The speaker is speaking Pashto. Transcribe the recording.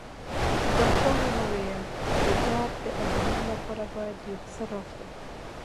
ګلپاڼې وویل، د درد د آرامي لپاره باید یو څه راکړئ.